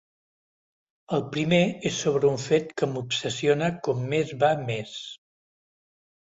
El primer és sobre un fet que m’obsessiona com més va més.